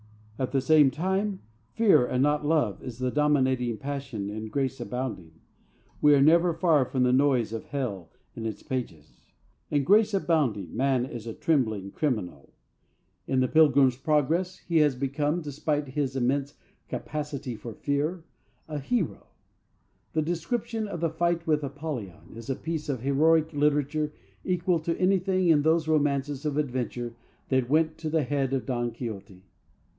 At the same time, fear and not love is the dominating passion in Grace Abounding. We are never far from the noise of Hell in its pages. In Grace Abounding man is a trembling criminal. In The Pilgrim's Progress he has become, despite his immense capacity for fear, a hero. The description of the fight with Apollyon is a piece of heroic literature equal to anything in those romances of adventure that went to the head of Don Quixote.